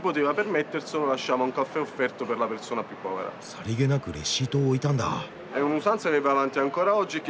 さりげなくレシートを置いたんだ。